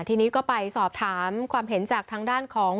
ทีนี้ก็ไปสอบถามความเห็นจากทางด้านของ